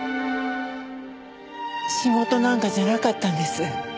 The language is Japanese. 仕事なんかじゃなかったんです